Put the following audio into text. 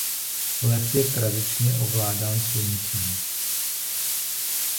Lev je tradičně ovládán Sluncem.